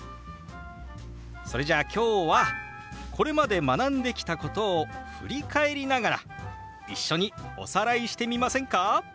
それじゃあ今日はこれまで学んできたことを振り返りながら一緒におさらいしてみませんか？